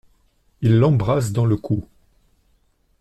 Il l’embrasse dans le cou.